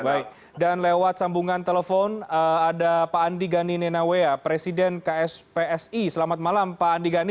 baik dan lewat sambungan telepon ada pak andi gani nenawea presiden kspsi selamat malam pak andi gani